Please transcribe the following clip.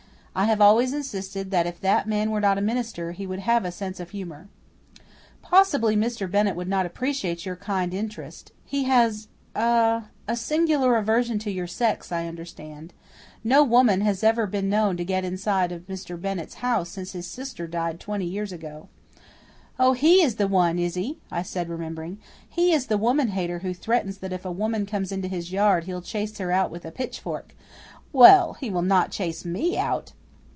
I have always insisted that if that man were not a minister he would have a sense of humour. "Possibly Mr. Bennett will not appreciate your kind interest! He has ah a singular aversion to your sex, I understand. No woman has ever been known to get inside of Mr. Bennett's house since his sister died twenty years ago." "Oh, he is the one, is he?" I said, remembering. "He is the woman hater who threatens that if a woman comes into his yard he'll chase her out with a pitch fork. Well, he will not chase ME out!"